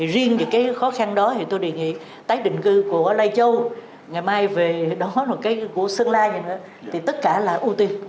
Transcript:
riêng về cái khó khăn đó thì tôi đề nghị tái định cư của lai châu ngày mai về đó của sơn la thì tất cả là ưu tiên